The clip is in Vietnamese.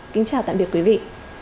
kính chào tạm biệt quý vị